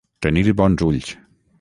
Tenir bons ulls.